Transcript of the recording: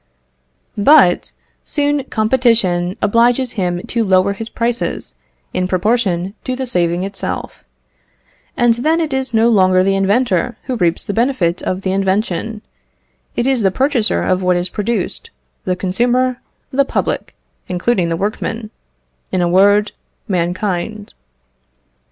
But soon competition obliges him to lower his prices in proportion to the saving itself; and then it is no longer the inventor who reaps the benefit of the invention it is the purchaser of what is produced, the consumer, the public, including the workman; in a word, mankind.